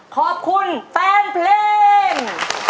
ขอบคุณแฟนเพลง